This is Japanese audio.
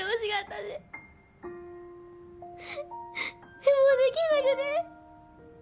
でもできなくて。